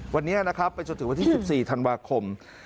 วันนี้นะครับไปจนถึงวันที่๑๔ธันวาคม